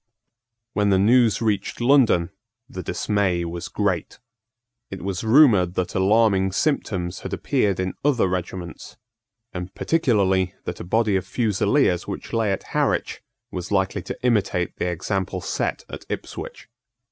When the news reached London the dismay was great. It was rumoured that alarming symptoms had appeared in other regiments, and particularly that a body of fusileers which lay at Harwich was likely to imitate the example set at Ipswich.